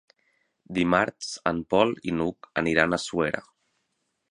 Dimarts en Pol i n'Hug aniran a Suera.